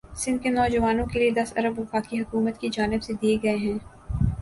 سندھ کے نواجوانوں کے لئے دس ارب وفاقی حکومت کی جانب سے دئے گئے ہیں